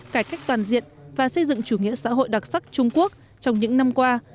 cải cách toàn diện và xây dựng chủ nghĩa xã hội đặc sắc trung quốc trong những năm qua